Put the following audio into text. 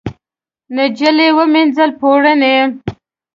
نجلۍ ومینځل پوړني